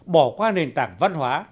bỏ qua nền tảng văn hóa